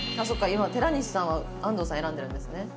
今寺西さんは安藤さん選んでるんですね。